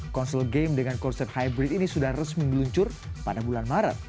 konsol game dengan konsep hybrid ini sudah resmi meluncur pada bulan maret